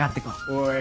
おい。